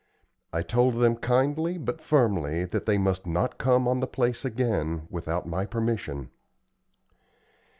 I told them kindly but firmly that they must not come on the place again without my permission.